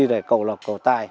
rồi cầu lọc cầu tài